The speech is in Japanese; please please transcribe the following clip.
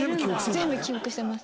全部記憶してます。